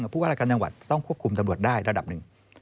ผู้ว่ารายการจังหวัดต้องควบคุมตำรวจได้ระดับหนึ่ง